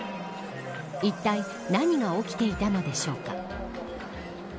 一体何が起きていたのでしょうか。